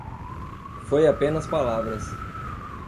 Foi apenas palavras.